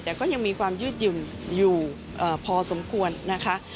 แต่ก็ยังมีความยืดหยุ่นอยู่พอสมควรนะคะ